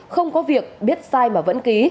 không có việc biết sai mà vẫn ký